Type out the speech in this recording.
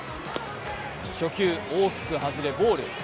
初球大きく外れボール。